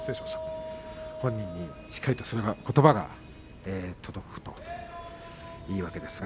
本人にしっかりとそのことばが届くといいですね。